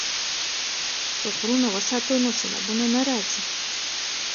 که غرونه وساتو نو سیلابونه نه راځي.